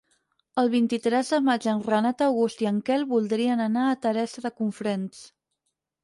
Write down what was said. El vint-i-tres de maig en Renat August i en Quel voldrien anar a Teresa de Cofrents.